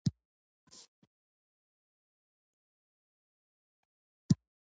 چې هر څه لیکل سوي بس همدغه سفرنامه ده.